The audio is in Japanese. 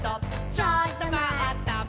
ちょっとまった！」